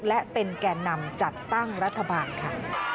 และเป็นแก่นำจัดตั้งรัฐบาลค่ะ